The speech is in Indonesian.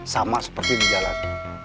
sama seperti ini jalan